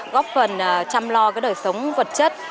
góp phần chăm lo cái đời sống vật chất